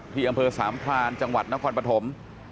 ที่อำเภอสามพรานจังหวัดนครปฐม